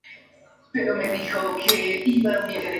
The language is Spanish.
Es casi congruente con el distrito de Main-Tauber.